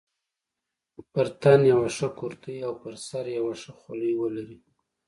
پر تن یوه ښه کورتۍ او پر سر یوه ښه خولۍ ولري.